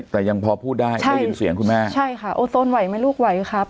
แต่ยังพอพูดได้ได้ยินเสียงคุณแม่ใช่ค่ะโอ้โซนไหวไหมลูกไหวครับ